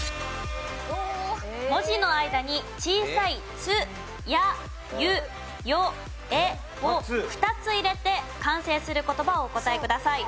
文字の間に小さい「つ・や・ゆ・よ・え」を２つ入れて完成する言葉をお答えください。